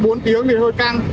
ví dụ hai tiếng nghỉ một tiếng